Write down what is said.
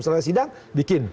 setelah saya sidang bikin